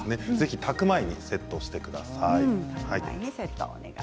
炊く前にセットしてください。